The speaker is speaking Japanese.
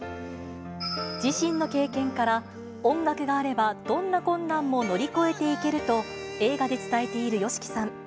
自身の経験から、音楽があればどんな困難も乗り越えていけると、映画で伝えているＹＯＳＨＩＫＩさん。